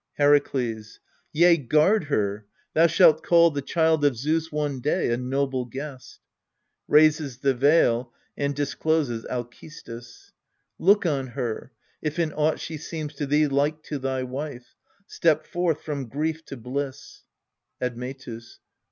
Herakles. Yea, guard her. Thou shalt call The child of Zeus one day a noble guest. [Raises tJie veil, and discloses ALCESTIS. Look on her, if in aught she seems to thee Like to thy wife. Step forth from grief to bliss. Admetus.